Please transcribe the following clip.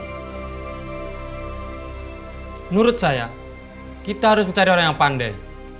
menurut saya kita harus mencari orang yang pandai